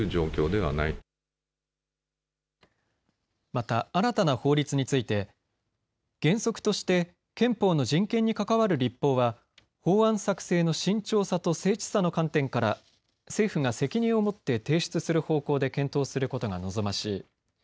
また、新たな法律について原則として憲法の人権に関わる立法は法案作成の慎重さと精緻さの観点から政府が責任を持って提出する方向で検討することが望ましい。